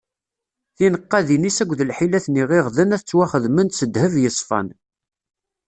Tineqqadin-is akked lḥilat n iɣiɣden ad ttwaxedment s ddheb yeṣfan.